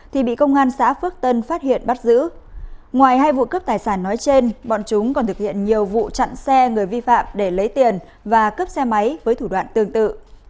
thì bị công an xã phước tân phát hiện bắt giữ ngoài hai vụ cướp tài sản nói trên bọn chúng còn thực hiện nhiều vụ chặn xe người vi phạm để lấy tiền và cướp xe máy với thủ đoạn tương tự